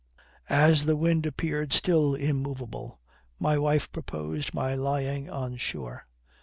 As the wind appeared still immovable, my wife proposed my lying on shore.